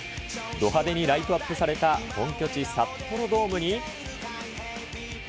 ど派手にライトアップされた本拠地、札幌ドームに。